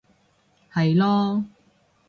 係囉